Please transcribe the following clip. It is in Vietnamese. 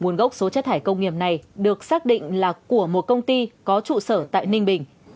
nguồn gốc số chất thải công nghiệp này được xác định là của một công ty có trụ sở tại ninh bình